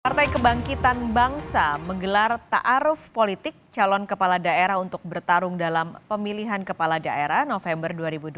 partai kebangkitan bangsa menggelar ta aruf politik calon kepala daerah untuk bertarung dalam pemilihan kepala daerah november dua ribu dua puluh empat